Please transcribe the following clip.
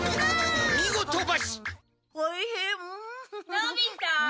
のび太。